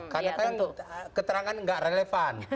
kadang kadang keterangan nggak relevan